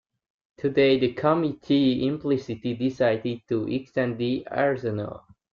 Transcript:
Today the committee implicitly decided to extend the arsenal.